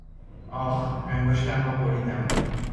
آخ! انگشتم را بریدم!